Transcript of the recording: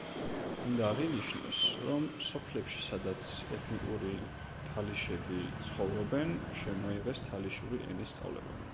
უნდა აღინიშნოს, რომ სოფლებში, სადაც ეთნიკური თალიშები ცხოვრობენ, შემოიღეს თალიშური ენის სწავლება.